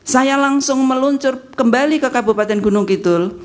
saya langsung meluncur kembali ke kabupaten gunung kidul